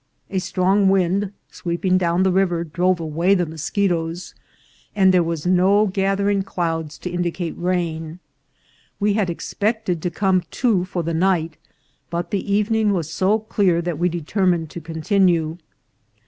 A strong wind sweeping down the river drove away the moschetoes, and there were no gather ing clouds to indicate rain. We had expected to come to for the night, but the evening was so clear that we determined to continue.